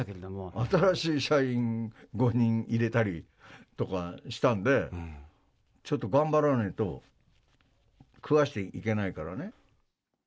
新しい社員５人入れたりとかしたんで、ちょっと頑張らないと、食わしていけないからね。